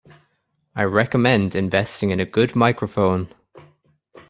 I recommend investing in a good microphone.